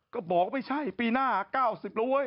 ก็บอกไม่ใช่ปีหน้าอาร์เก้าสิบแล้วเว้ย